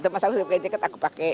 mas agus udah pakai jaket aku pakai